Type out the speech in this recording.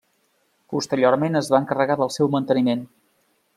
Posteriorment es va encarregar del seu manteniment.